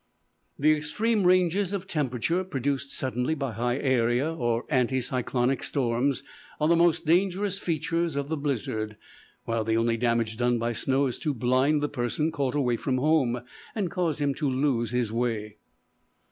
The extreme ranges of temperature produced suddenly by high area or anti cyclonic storms are the most dangerous features of the blizzard; while the only damage done by snow is to blind the person caught away from home, and cause him to lose his way.